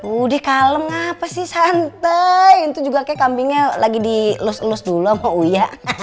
udah kalem apa sih santai itu juga kayaknya kambingnya lagi dilus lus dulu sama uya